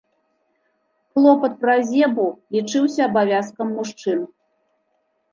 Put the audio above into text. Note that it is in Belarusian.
Клопат пра зебу лічыўся абавязкам мужчын.